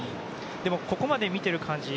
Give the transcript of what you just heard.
でもここまで見ている感じ